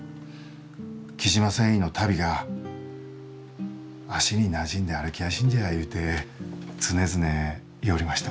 雉真繊維の足袋が足になじんで歩きやしんじゃいうて常々言ようりました。